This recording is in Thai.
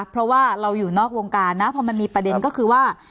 เพราะว่าเราอยู่นอกวงการนะพอมันมีประเด็นก็คือว่า